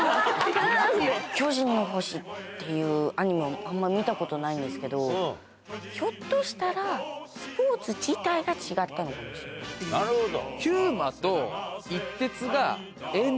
巨人の星っていうアニメをあんま見たことないんですけど、ひょっとしたら、スポーツ自体がなるほど。